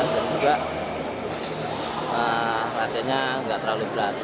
dan juga latihannya gak terlalu berat